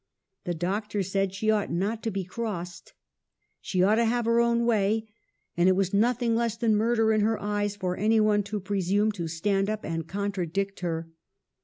The doctor said she ought not to be crossed ; she ought to have her own way, and it was nothing less than murder in her eyes for any one to presume to stand up and contradict her.